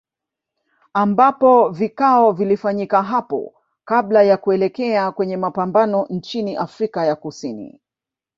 Ambapo vikao vilifanyika hapo kabla ya kuelekea kwenye mapambano nchini Afrika ya Kusini